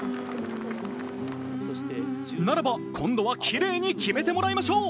ならば、今度はきれいに決めてもらいましょう。